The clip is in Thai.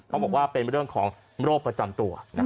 เขาบอกว่าเป็นเรื่องของโรคประจำตัว